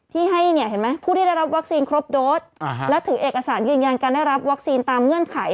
ที่ให้เนี่ยเห็นไหมผู้ที่ได้รับวัคซีนครบโดสและถือเอกสารยืนยันการได้รับวัคซีนตามเงื่อนไข